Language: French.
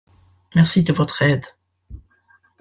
Merci de votre aide.